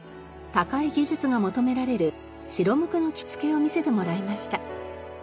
高い技術が求められる白無垢の着付けを見せてもらいました。